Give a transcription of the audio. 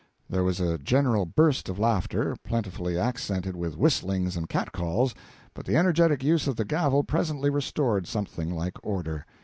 There was a general burst of laughter, plentifully accented with whistlings and cat calls, but the energetic use of the gavel presently restored something like order.